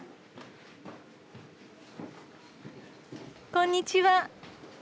こんにちは。